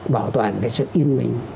bảo toàn cái sự yên bình